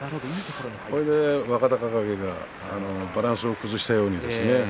それで若隆景がバランスを崩しました。